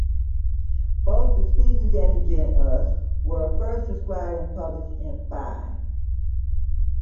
Both the species and the genus were first described and published in Fl.